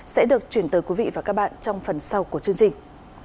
sẽ được chuyển tới quý vị và các bạn trong phần sau của chương trình